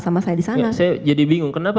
sama saya di sana saya jadi bingung kenapa